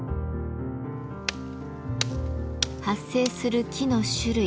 発生する木の種類